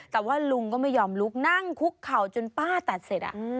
แต่ว่าลุงก็ไม่ยอมลุกนั่งคุกเข่าจนป้าตัดเสร็จ